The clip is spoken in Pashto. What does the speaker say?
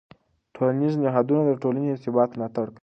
ټولنیز نهادونه د ټولنې د ثبات ملاتړ کوي.